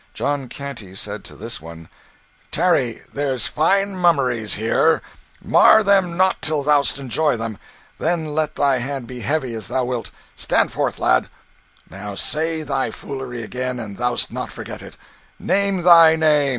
John Canty said to this one "Tarry! There's fine mummeries here. Mar them not till thou'st enjoyed them: then let thy hand be heavy as thou wilt. Stand forth, lad. Now say thy foolery again, an thou'st not forgot it. Name thy name.